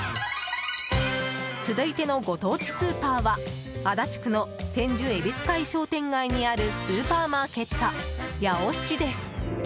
続いてのご当地スーパーは足立区の千住えびす会商店街にあるスーパーマーケットヤオシチです。